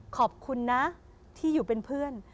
ขอบคุณนะที่อยู่เป็นเพื่อน